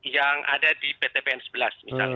yang ada di pt pn sebelas misalnya